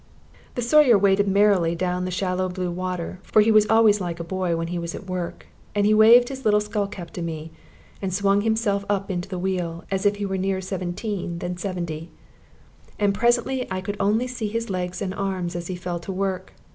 The Sawyer waded merrily down the shallow blue water, for he was always like a boy when he was at work, and he waved his little skull cap to me, and swung himself up into the wheel, as if he were nearer seventeen than seventy. And presently I could only see his legs and arms as he fell to work.